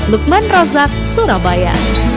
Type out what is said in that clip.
lukman rozak surabaya